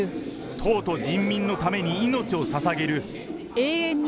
党と人民のために命をささげる。